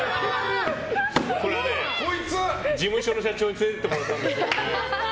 これは事務所の社長に連れて行ってもらったんですよ。